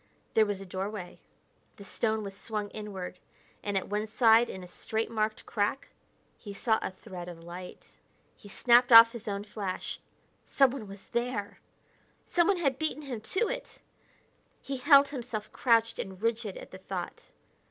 There was a doorway; the stone was swung inward; and at one side in a straight marked crack, he saw a thread of light. He snapped off his own flash. Someone was there! Someone had beaten him to it! He held himself crouched and rigid at the thought.